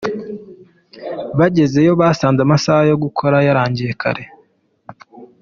Bagezeye basanze amasaha yo gukora yarangiye kare.